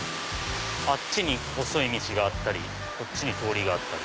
あっちに細い道があったりこっちに通りがあったり。